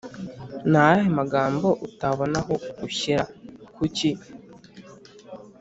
ni ayahe magambo utabona aho ushyira ? kuki ?